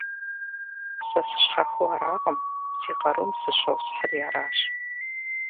Сэ сыщхьэхыу аракъым, си къарум сыщосхьри аращ.